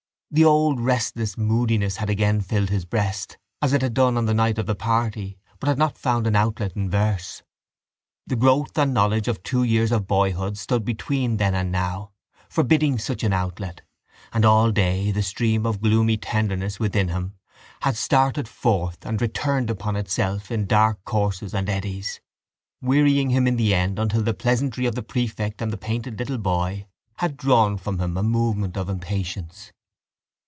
The old restless moodiness had again filled his breast as it had done on the night of the party, but had not found an outlet in verse. The growth and knowledge of two years of boyhood stood between then and now, forbidding such an outlet: and all day the stream of gloomy tenderness within him had started forth and returned upon itself in dark courses and eddies, wearying him in the end until the pleasantry of the prefect and the painted little boy had drawn from him a movement of impatience.